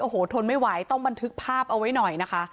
โอ้โหทนไม่ไหวต้องบันทึกภาพเอาไว้หน่อยนะคะ